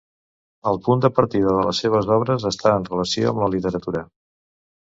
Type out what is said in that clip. El punt de partida de les seves obres està en relació amb la literatura.